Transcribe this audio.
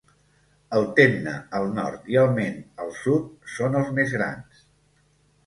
El Temne, al nord, i el Mende, al sud, són els més grans.